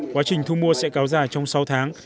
quá trình thu mua sẽ cao dài trong sáu tháng